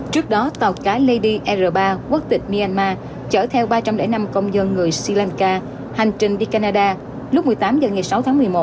trước đó tàu cá ledir ba quốc tịch myanmar chở theo ba trăm linh năm công dân người sri lanka hành trình đi canada lúc một mươi tám h ngày sáu tháng một mươi một